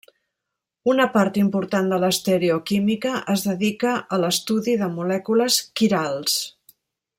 Una part important de l'estereoquímica es dedica a l'estudi de molècules quirals.